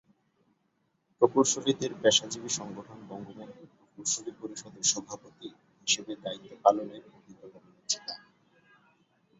প্রকৌশলীদের পেশাজীবী সংগঠন বঙ্গবন্ধু প্রকৌশলী পরিষদের সভাপতি হিসেবে দায়িত্ব পালনের অভিজ্ঞতা রয়েছে তার।